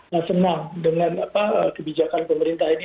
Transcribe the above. nah senang dengan kebijakan pemerintah ini